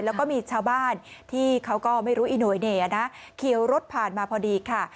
แล้วก็มีชาวบ้านที่เขาก็ไม่รู้อีโน่เน่นะขี่รถผ่านมาพอดีค่ะ